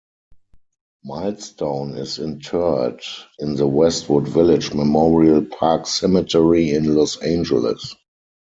Milestone is interred in the Westwood Village Memorial Park Cemetery in Los Angeles.